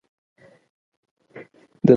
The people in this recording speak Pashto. رابعې د رحیم اغا د پخوانیو خبرو یادونه وکړه.